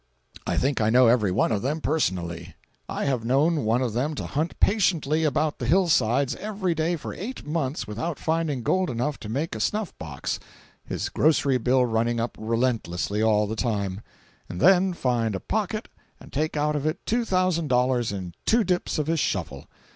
I think I know every one of them personally. I have known one of them to hunt patiently about the hill sides every day for eight months without finding gold enough to make a snuff box—his grocery bill running up relentlessly all the time—and then find a pocket and take out of it two thousand dollars in two dips of his shovel.